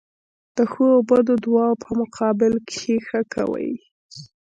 د ښو او بدو دواړو په مقابل کښي ښه کوئ!